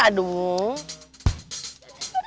mana sih aduh